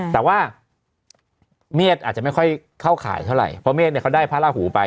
แต่ว่าเมฆอาจจะไม่ค่อยเข้าข่ายเท่าไหร่เพราะเมฆเนี่ยเขาได้พระราหูไป